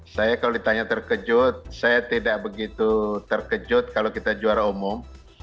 saya kalau ditanya terkejut saya tidak begitu terkejut kalau kita juara umum